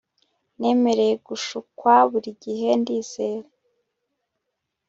Nemereye gushukwa buri gihe Ndizera